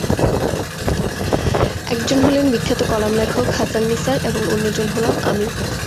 একজন হলেন বিখ্যাত কলাম লেখক হাসান নিসার এবং অন্যজন হলাম আমি।